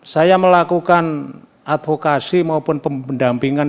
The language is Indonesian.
saya melakukan advokasi maupun pendampingan